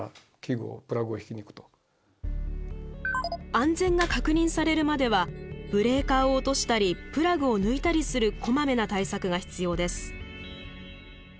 安全が確認されるまではブレーカーを落としたりプラグを抜いたりするこまめな対策が必要です。